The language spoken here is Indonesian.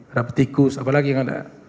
ada petikus apa lagi yang ada